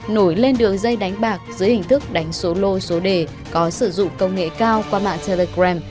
nổi lên đường dây đánh bạc dưới hình thức đánh số lô số đề có sử dụng công nghệ cao qua mạng telegram